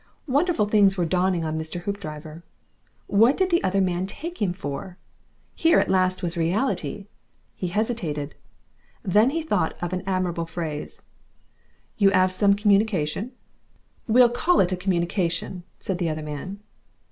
Wonderful things were dawning on Mr. Hoopdriver. What did the other man take him for? Here at last was reality! He hesitated. Then he thought of an admirable phrase. "You 'ave some communication " "We'll call it a communication," said the other man.